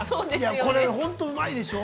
◆これ本当、うまいでしょう。